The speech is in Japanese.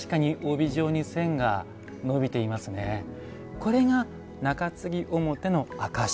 これが中継ぎ表の証し。